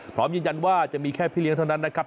พร้อมยืนยันว่าจะมีแค่พี่เลี้ยงเท่านั้นนะครับ